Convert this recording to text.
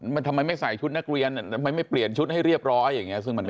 มันทำไมไม่ใส่ชุดนักเรียนมันไปเปลี่ยนชุดให้เรียบร้อยซึ่งมันไม่ใช่